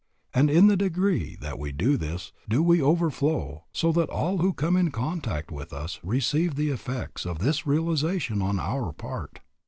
And in the degree that we do this do we overflow, so that all who come in contact with us receive the effects of this realization on our part.